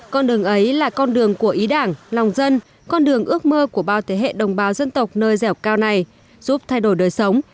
con đường ấy là con đường của ý đảng lòng dân con đường ước mơ của bao thế hệ đồng bào dân tộc nơi dẻo cao này giúp thay đổi đời sống